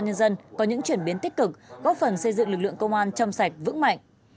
công an nhân dân có những chuyển biến tích cực góp phần xây dựng lực lượng công an châm sạch vững mạnh